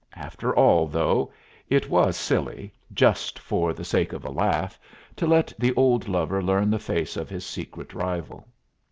After all, though, it was silly, just for the sake of a laugh, to let the old lover learn the face of his secret rival.